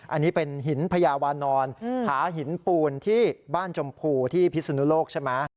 อันนี้เป็นหินพญาวานอนผาหินปูนที่บ้านชมพูที่พิศนุโลกใช่ไหม